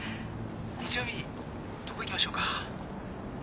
日曜日どこ行きましょうか。